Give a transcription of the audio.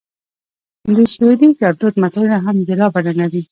د سویلي ګړدود متلونه هم جلا بڼه لري